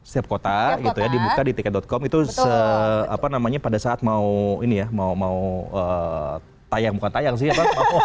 setiap kota dibuka di tiket com itu pada saat mau tayang bukan tayang sih